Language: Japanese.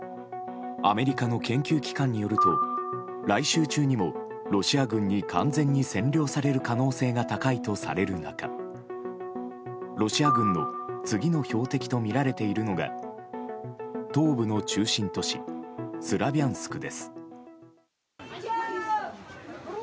アメリカの研究機関によると来週中にもロシア軍に完全に占領される可能性が高いとされる中ロシア軍の次の標的とみられているのが東部の中心都市スラビャンスクです。